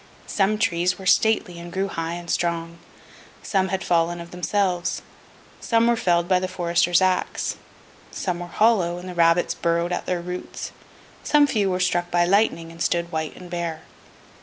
Some trees were stately, and grew high and strong; some had fallen of themselves; some were felled by the forester's axe; some were hollow, and the rabbits burrowed at their roots; some few were struck by lightning, and stood white and bare.